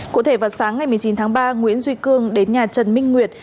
cụ thể vào sáng ngày một mươi chín tháng ba nguyễn duy cương đến nhà trần minh nguyệt